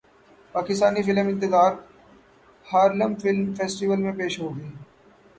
Pakistani film Intezaar Harlem film festival میں پیش ہوگی